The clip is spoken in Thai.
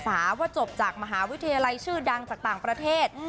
การวุฒิการศึกษาว่าจบจากมหาวิทยาลัยชื่อดังจากต่างประเทศ